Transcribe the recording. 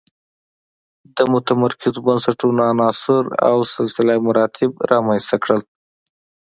د متمرکزو بنسټونو عناصر او سلسله مراتب رامنځته کړل.